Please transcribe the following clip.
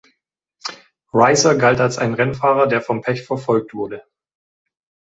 Ryser galt als ein Rennfahrer, der vom Pech verfolgt wurde.